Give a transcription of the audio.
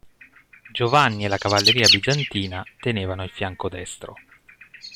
Giovanni e la cavalleria bizantina tenevano il fianco destro.